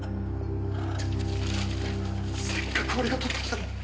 せっかく俺が取ってきたのに。